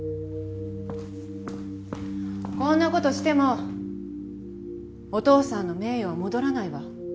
こんな事してもお父さんの名誉は戻らないわ。